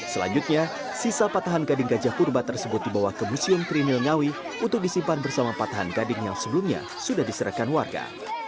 selanjutnya sisa patahan gading gajah purba tersebut dibawa ke museum trinil ngawi untuk disimpan bersama patahan gading yang sebelumnya sudah diserahkan warga